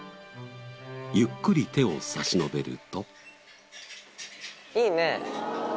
ゆっくり手を差し伸べると。